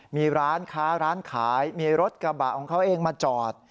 มีร้านค้าร้านขายมีรถกระบะของเขาเองมาจอด